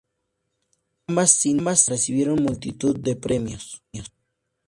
Ambas cintas recibieron multitud de premios.